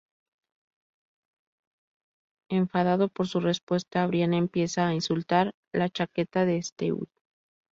Enfadado por su respuesta, Brian empieza a insultar la chaqueta de Stewie.